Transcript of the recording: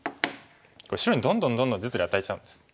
これ白にどんどんどんどん実利与えちゃうんです。